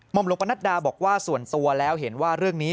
หลวงปนัดดาบอกว่าส่วนตัวแล้วเห็นว่าเรื่องนี้